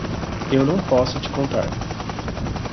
Eu não posso te contar.